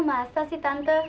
masa sih tante